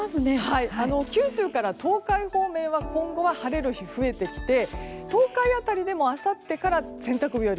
九州から東海方面は今後は晴れる日が増えてきて、東海辺りでもあさってから洗濯日和。